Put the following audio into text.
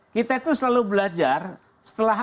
kita itu selalu belajar setelah